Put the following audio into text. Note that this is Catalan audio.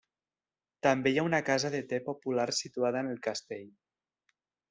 També hi ha una casa de te popular situada en el castell.